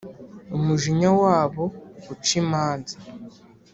umujinya wabo uce imanza